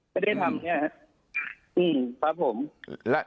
ไม่ได้ทำ